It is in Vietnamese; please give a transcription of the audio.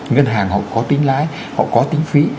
ngân hàng họ có tính lái họ có tính phí